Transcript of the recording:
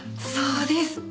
そうです。